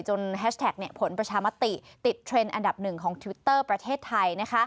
แฮชแท็กผลประชามติติดเทรนด์อันดับหนึ่งของทวิตเตอร์ประเทศไทย